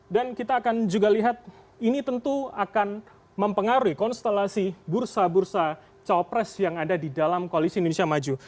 dan kita akan juga lihat ini tentu akan mempengaruhi konstelasi bursa bursa cawapres yang ada di dalam koalisi indonesia maju